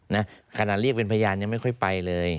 ขนาดเรียกเป็นพยานยังไม่ค่อยไปเลย